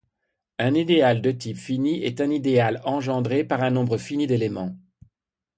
Un idéal de type fini est un idéal engendré par un nombre fini d'éléments.